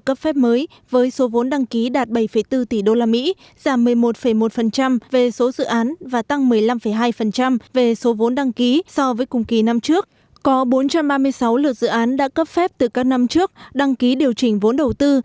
có bốn trăm ba mươi sáu lượt dự án đã cấp phép từ các năm trước đăng ký điều chỉnh vốn đầu tư